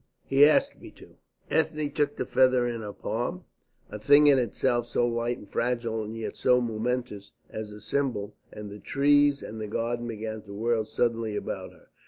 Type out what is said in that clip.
"He asked me to." Ethne took the feather in her palm, a thing in itself so light and fragile and yet so momentous as a symbol, and the trees and the garden began to whirl suddenly about her.